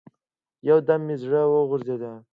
يو دم مې زړه وغورځېد.